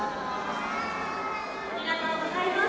ありがとうございます。